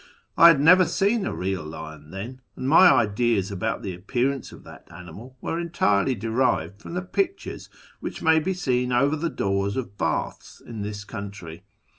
I had never seen a real lion then, and my ideas about the appearance of that animal were entirely derived from the pictures which may be seen over the doors of baths in this country.